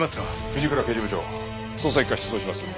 藤倉刑事部長捜査一課出動します。